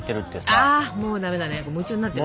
あもうダメだね